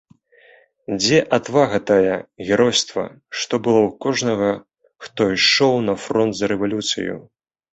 Дзе адвага тая, геройства, што было ў кожнага, хто ішоў на фронт за рэвалюцыю?